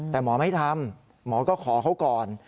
แต่หมอไม่ทำหมอก็ขอเขาก่อน